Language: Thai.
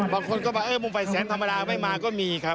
บางคนก็บอกเออมุมไฟแสนธรรมดาไม่มาก็มีครับ